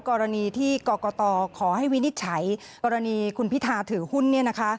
กรณีที่กรกฎาขอให้วินิจฉัยกรณีคุณพิทาถือหุ้น